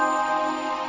masih gak bisa